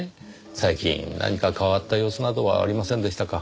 最近何か変わった様子などはありませんでしたか？